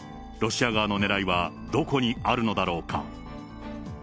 ロシア側のねらいはどこにあるのだろうか。